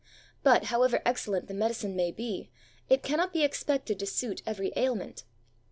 But, however excellent the medicine may be, it cannot be expected to suit every ailment.